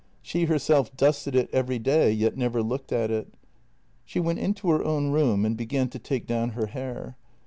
She herself dusted it every day, yet never looked at it. She went into her own room and began to take down her hair.